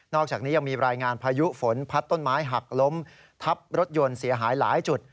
อกจากนี้ยังมีรายงานพายุฝนพัดต้นไม้หักล้มทับรถยนต์เสียหายหลายจุด